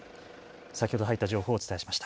先ほど入った情報をお伝えしました。